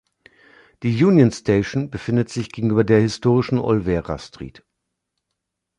Die Union Station befindet sich gegenüber der historischen Olvera Street.